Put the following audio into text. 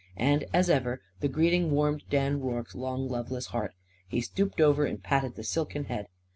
And, as ever, the greeting warmed Dan Rorke's long loveless heart. He stooped over and patted the silken head.